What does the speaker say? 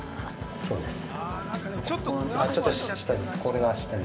◆そうですね。